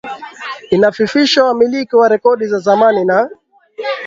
inafifisha wamiliki wa rekodi za zamani na